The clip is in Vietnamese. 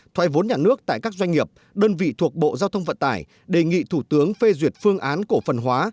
thoại vốn nhà nước tại các doanh nghiệp đơn vị thuộc bộ giao thông vận tải đề nghị thủ tướng phê duyệt phương án cổ phần hóa